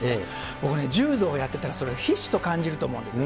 僕ね、柔道やってたらそれ、ひしと感じると思うんですよ。